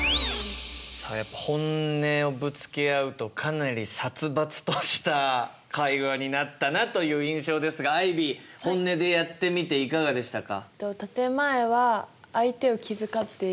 さあやっぱ本音をぶつけ合うとかなり殺伐とした会話になったなという印象ですがアイビー本音でやってみていかがでしたか？